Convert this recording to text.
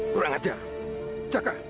kurang ajar jaga